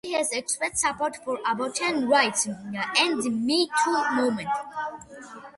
She has expressed support for abortion rights and the Me Too movement.